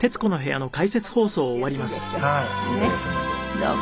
どうも。